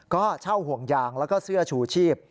ก็เช่าห่วงยางแล้วก็เสื้อชูชีพ